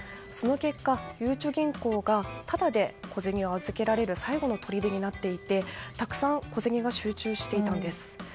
その結果、ゆうちょ銀行がタダで小銭を預けられる最後のとりでになっていてたくさん小銭が集中していたんです。